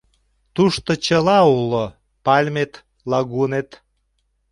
Тушто чыла уло: пальмет, лагунет...